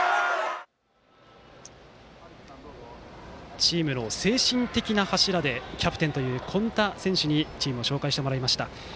チームの精神的な柱でキャプテンという、今田選手にチームを紹介してもらいました。